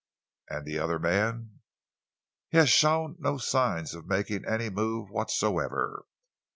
"And the other man?" "He has shown no signs of making any move whatsoever.